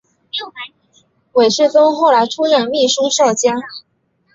韦士宗后来出任秘书少监。